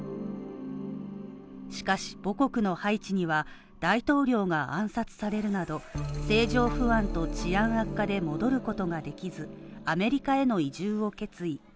しかし、母国のハイチには大統領が暗殺されるなど政情不安と治安悪化で戻ることができず、アメリカへの移住を決意。